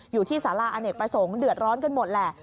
อยู่ที่สาราอเนกประสงค์เดือดร้อนกันหมดแหละ